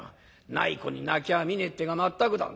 ない子に泣きはみねえっていうが全くだ